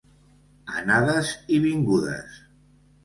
Anades i vingudes.